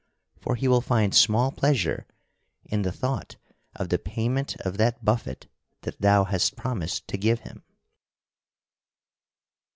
For he will find small pleasure in the thought of the payment of that buffet that thou hast promised to give him."